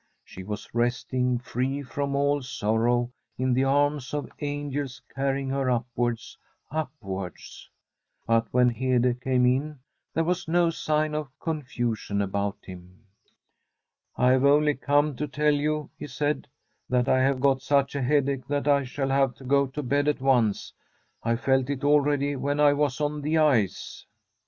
She was resting, free from all sorrow, in the arms of angels carrying her upwards, upwards. But when Hede came in, there was no sign of confusion about him. * I have only come to tell you,' he said, * that I have got such a headache, that I shall have to go to bed at once. I felt it already when I was on the ice.'